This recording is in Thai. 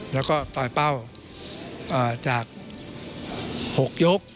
แล้วก็ต่อยเป้าจาก๖ยก